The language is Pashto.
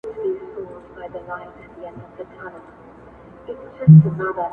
چي اعلان به مو جګړه را میداني کړه.!